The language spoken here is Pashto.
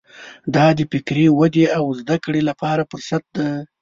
دا د فکري ودې او زده کړې لپاره فرصت دی.